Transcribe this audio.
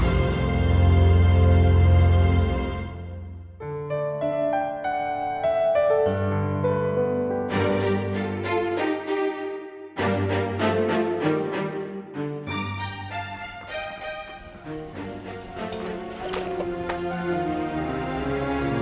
pas main di negara abyur